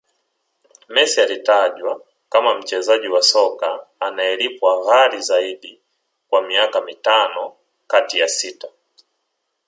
Messi alitajwa kama mchezaji soka anayelipwa ghali Zaidi kwa miaka mitano kati ya sita